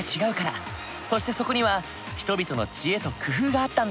そしてそこには人々の知恵と工夫があったんだね。